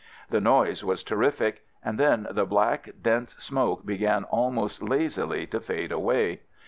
The noise was terrific — and then the black dense smoke began almost lazily to fade away.